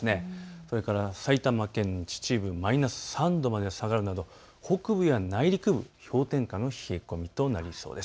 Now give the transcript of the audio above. それから埼玉県秩父マイナス３度まで下がるなど、北部や内陸部、氷点下の冷え込みとなりそうです。